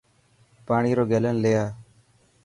پاني رو گيلن لي آءِ.